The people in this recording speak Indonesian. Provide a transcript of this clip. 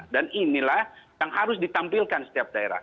dan inilah yang harus ditampilkan setiap daerah